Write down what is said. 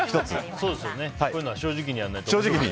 こういうのは正直にやらないとね。